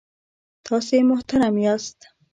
تاسې محترم یاست.